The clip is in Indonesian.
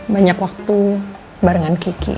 banyak waktu barengan kiki